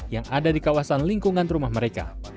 yang ada di kawasan lingkungan rumah mereka